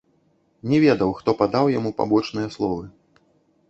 Не ведаў, хто падаў яму пабочныя словы.